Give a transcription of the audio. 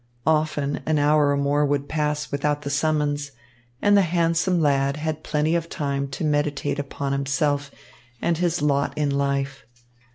Often an hour and more would pass without the summons, and the handsome lad had plenty of time to meditate upon himself and his lot in life.